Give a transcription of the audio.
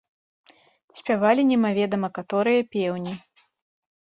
Спявалі немаведама каторыя пеўні.